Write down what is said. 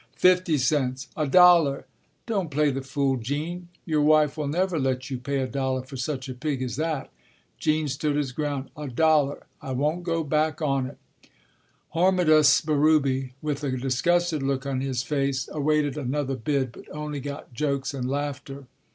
"Fifty cents!" "A dollar!" "Don't play the fool, Jean. Your wife will never let you pay a dollar for such a pig as that." Jean stood his ground: "A dollar, I won't go back on it." Hormidas Berube with a disgusted look on his face awaited another bid, but only got jokes and laughter.